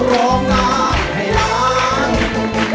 ร้องด้านแบบนี้มีทุนไปสู้ชีวิตแล้วค่ะ